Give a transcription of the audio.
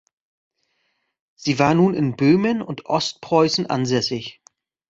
Sie war nun in Böhmen und Ostpreußen ansässig.